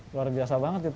luar biasa banget itu